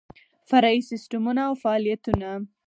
فرعي سیسټمونه او فعالیتونه